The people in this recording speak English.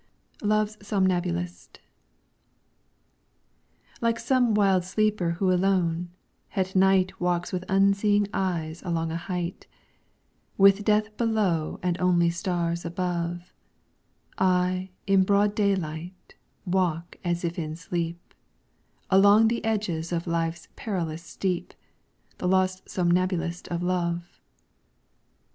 LOVE'S SOMNAMBULIST Like some wild sleeper who alone, at night Walks with unseeing eyes along a height, With death below and only stars above, I, in broad daylight, walk as if in sleep Along the edges of life's perilous steep, The lost somnambulist of love.